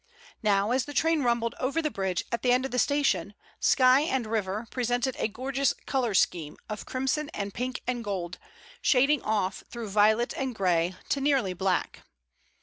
Now, as the train rumbled over the bridge at the end of the station, sky and river presented a gorgeous color scheme of crimson and pink and gold, shading off through violet and gray to nearly black.